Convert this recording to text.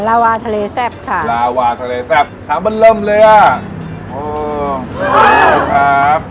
ลาวาทะเลแซ่บค่ะลาวาทะเลแซ่บขามันเริ่มเลยอ่ะโอ้ครับ